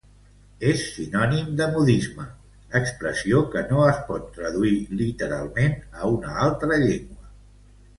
És sinònim de modisme, expressió que no es pot traduir literalment a una altra llengua.